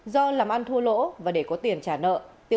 do làm ăn thua lỗ